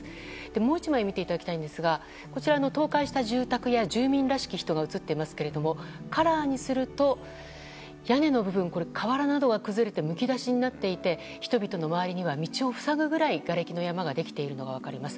もう１枚見ていただきたいんですがこちらの倒壊した住宅や住民らしき人が写っていますがカラーにすると屋根の部分、瓦などが崩れてむき出しになっていて人々の周りには道を塞ぐくらいがれきの山ができているのが分かります。